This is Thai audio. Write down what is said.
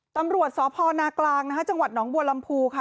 ตำรวจสพนากลางนะคะจังหวัดหนองบัวลำพูค่ะ